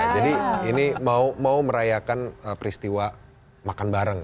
ini mau merayakan peristiwa makan bareng